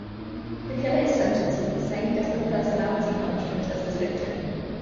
The killer is sentenced to the same "death of personality" punishment as his victim.